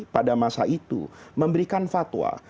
pada masa itu memberikan fatwa